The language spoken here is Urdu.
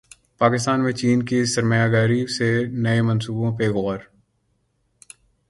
پاکستان میں چین کی سرمایہ کاری سے نئے منصوبوں پر غور